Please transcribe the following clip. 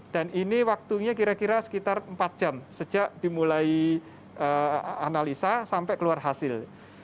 dan ini waktunya kira kira sekitar empat jam sejak dimulai analisa sampai keluar hasil